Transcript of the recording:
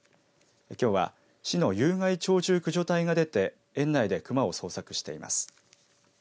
きょうは市の有害鳥獣駆除隊が出て園内で熊を捜索しています。